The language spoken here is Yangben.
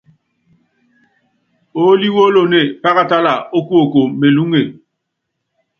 Oólí wólonée, pákatála kuoko melúŋe.